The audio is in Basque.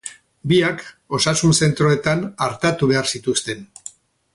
Biak osasun zentroetan artatu behar zituzten.